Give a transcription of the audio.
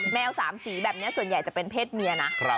แมว๓สีแบบนี้ส่วนใหญ่จะเป็นเพศเมียนะ